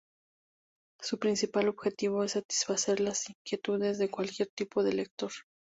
Su principal objetivo es satisfacer las inquietudes de cualquier tipo de lector.